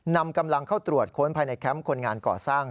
นำกำลังเข้าตรวจค้นภายในแคมป์คนงานก่อสร้าง